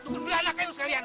dukun beranak kayu sekalian